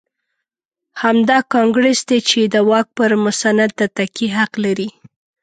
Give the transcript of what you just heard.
همدا کانګرېس دی چې د واک پر مسند د تکیې حق لري.